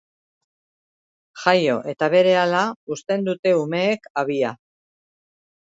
Jaio eta berehala uzten dute umeek habia.